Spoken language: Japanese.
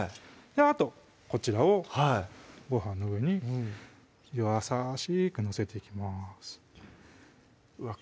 あとこちらをご飯の上に優しく載せていきますうわ